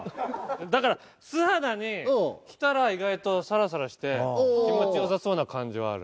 だから素肌に着たら意外とサラサラして気持ち良さそうな感じはある。